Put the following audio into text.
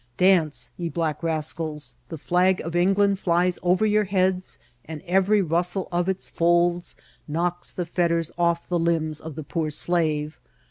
Dance, ye black rascals ; the flag of England flies over your heads, and every rustle of its folds knocks the fetters off the limbs of the poor slave.